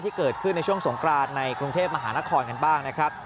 ที่เกิดขึ้นในช่วงสงกรานในกรุงเทพมหานครกันบ้างนะครับ